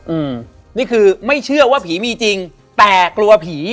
อืมนี่คือไม่เชื่อว่าผีมีจริงแต่กลัวผี